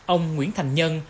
ông nguyễn thành nhân